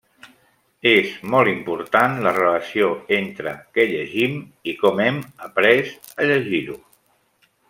És molt important la relació entre què llegim i com hem après a llegir-ho.